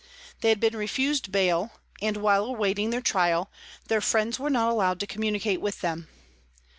They had been refused bail, and, while awaiting their trial, their friends were not allowed to communicate with them.